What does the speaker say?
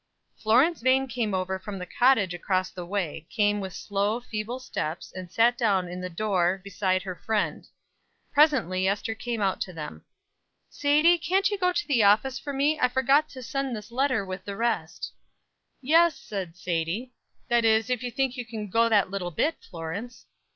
Florence Vane came over from the cottage across the way came with slow, feeble steps, and sat down in the door beside her friend. Presently Ester came out to them: "Sadie, can't you go to the office for me? I forgot to send this letter with the rest." "Yes," said Sadie. "That is if you think you can go that little bit, Florence."